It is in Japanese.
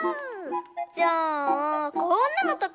じゃあこんなのとか？